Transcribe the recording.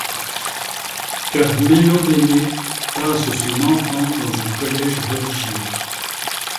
Carmelo Bene passe son enfance dans un collège religieux.